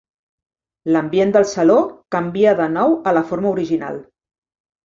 L'ambient del saló canvia de nou a la forma original.